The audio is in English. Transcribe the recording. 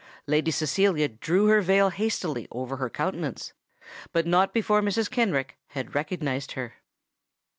Lady Cecilia drew her veil hastily over her countenance; but not before Mrs. Kenrick had recognised her.